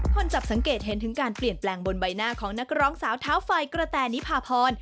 จับสังเกตเห็นถึงการเปลี่ยนแปลงบนใบหน้าของนักร้องสาวเท้าไฟกระแตนิพาพร